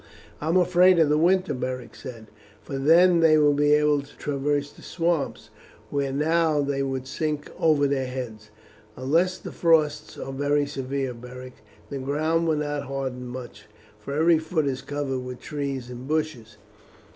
"I am afraid of the winter," Beric said, "for then they will be able to traverse the swamps, where now they would sink over their heads." "Unless the frosts are very severe, Beric, the ground will not harden much, for every foot is covered with trees and bushes.